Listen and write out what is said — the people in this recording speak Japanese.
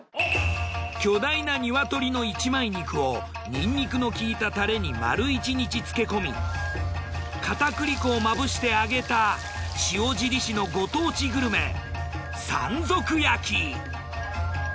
巨大なニワトリの一枚肉をニンニクの効いたタレに丸一日漬け込み片栗粉をまぶして揚げた塩尻市のご当地グルメ山賊焼。